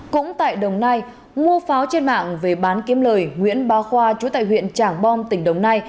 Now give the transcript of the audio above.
cũng tại đồng nai mua pháo trên mạng về bán kiếm lời nguyễn ba khoa chú tại huyện trảng bom tỉnh đồng nai